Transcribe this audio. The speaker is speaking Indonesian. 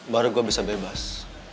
baru gue bisa bebas